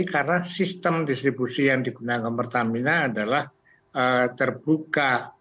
karena sistem distribusi yang digunakan pertamina adalah terbuka